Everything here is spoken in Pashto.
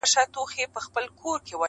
په دوس کلي کي مېلمه مشر وي -